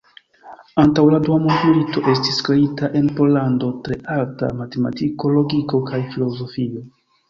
Antaŭ la dua mondmilito estis kreita en Pollando tre alta matematiko, logiko kaj filozofio.